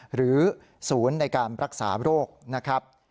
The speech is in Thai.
หรือศูนย์ในการรักษาโรคนะครับ